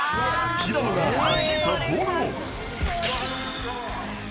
平野がはじいたボールを。